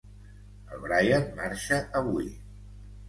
El Brian marxa avui.